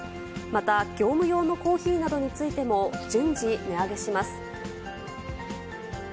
また、業務用のコーヒーなどについても、順次、値上げします。